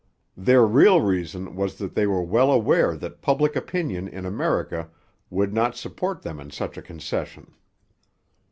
Their real reason was that they were well aware that public opinion in America would not support them in such a concession.